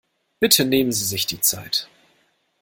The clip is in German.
Bitte nehmen sie sich die Zeit.